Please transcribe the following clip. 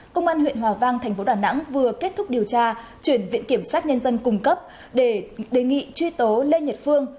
công an huyện hòa vang thành phố đà nẵng vừa kết thúc điều tra chuyển viện kiểm sát nhân dân cung cấp để đề nghị truy tố lê nhật phương